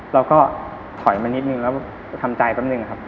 เราก็ถอยมานิดนึงแล้วทำใจแป๊บหนึ่งครับ